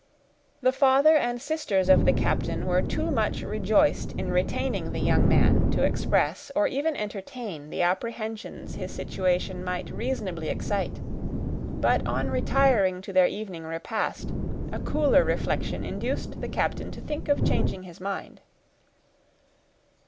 The father and sisters of the captain were too much rejoiced in retaining the young man to express, or even entertain, the apprehensions his situation might reasonably excite; but on retiring to their evening repast, a cooler reflection induced the captain to think of changing his mind.